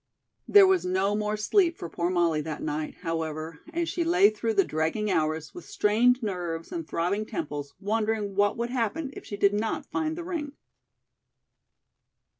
There was no more sleep for poor Molly that night, however, and she lay through the dragging hours with strained nerves and throbbing temples wondering what would happen if she did not find the ring.